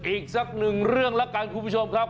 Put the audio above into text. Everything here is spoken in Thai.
อีกสักหนึ่งเรื่องแล้วกันคุณผู้ชมครับ